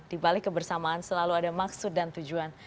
di balik kebersamaan selalu ada maksud dan tujuan